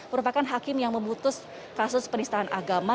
merupakan hakim yang memutus kasus penistaan agama